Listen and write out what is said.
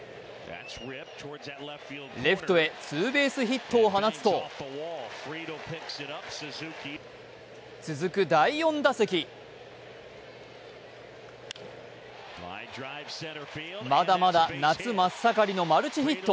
レフトへツーベースヒットを放つと、続く第４打席まだまだ夏真っ盛りのマルチヒット。